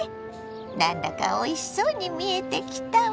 なんだかおいしそうに見えてきたわ。